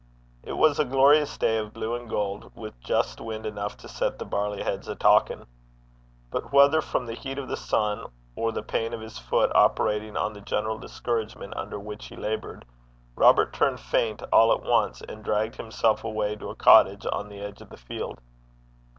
It was a glorious day of blue and gold, with just wind enough to set the barley heads a talking. But, whether from the heat of the sun, or the pain of his foot operating on the general discouragement under which he laboured, Robert turned faint all at once, and dragged himself away to a cottage on the edge of the field.